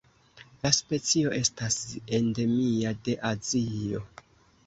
La specio estas endemia de Azio.